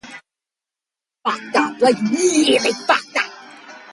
Unlike most Parisian avenues, there are no trees.